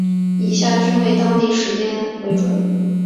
以下均为当地时间为准。